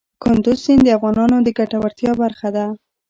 کندز سیند د افغانانو د ګټورتیا برخه ده.